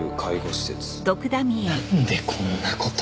なんでこんな事。